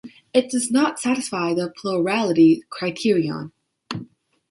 It does not satisfy the plurality criterion.